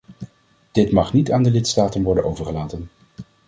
Dit mag niet aan de lidstaten worden overgelaten.